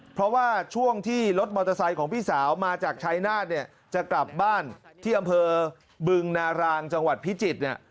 เพราะว่าช่วงที่รถมอเตอร์ไซค์ของพี่สาวมาจากชายนาฏเนี่ยจะกลับบ้านที่อำเภอบึงนารางจังหวัดพิจิตรเนี่ย